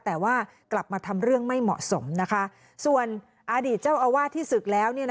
แต่ว่ากลับมาทำเรื่องไม่เหมาะสมนะคะส่วนอดีตเจ้าอาวาสที่ศึกแล้ว